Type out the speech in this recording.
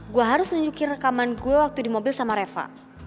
gue harus nunjukin rekaman gue waktu di mobil sama reva